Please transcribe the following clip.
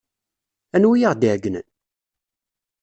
Anwa ay aɣ-d-iɛeyynen?